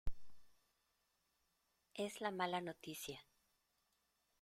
es la mala noticia.